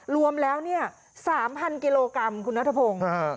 รวมแล้ว๓๐๐๐กิโลกรัมคุณรัฐพงศ์